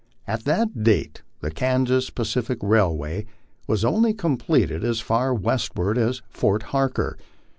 At that date the Kansas Pacific Railway was only completed as far westward as Fort Harker.